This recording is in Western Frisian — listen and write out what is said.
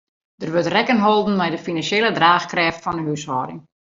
Der wurdt rekken holden mei de finansjele draachkrêft fan 'e húshâlding.